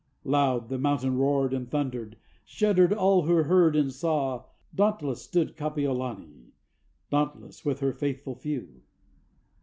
Loud the mountain roared and thundered; shuddered all who heard and saw, Dauntless stood Kapiolani, dauntless with her faithful few.